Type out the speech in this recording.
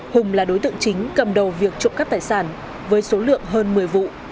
hùng là đối tượng chính cầm đầu việc trộm cắp tài sản với số lượng hơn một mươi vụ